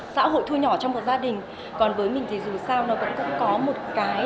xã hội thu nhỏ trong một gia đình còn với mình thì dù sao nó vẫn cũng có một cái